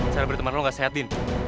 cara berteman lo gak sehat bin